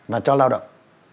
và cho lao động